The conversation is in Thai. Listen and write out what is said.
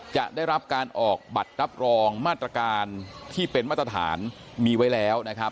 จะได้รับการออกบัตรรับรองมาตรการที่เป็นมาตรฐานมีไว้แล้วนะครับ